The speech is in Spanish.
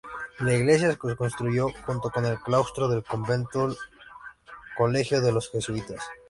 La iglesia se construyó junto con el claustro del convento-colegio de los jesuitas.